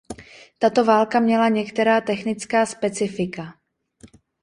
Tato válka měla některá technická specifika.